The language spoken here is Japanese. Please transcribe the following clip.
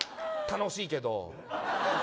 楽しいけど。